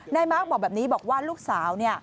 มาร์คบอกแบบนี้บอกว่าลูกสาว